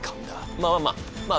まあまあまあまあ